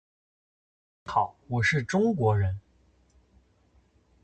你好，我是中国人。